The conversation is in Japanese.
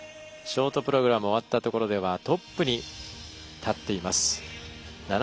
ショートプログラム終わったところではトップに立っています。